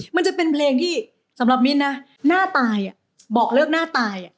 มันจะเป็นเพลงที่สำหรับมิ้นนะหน้าตายบอกเลิกหน้าตาย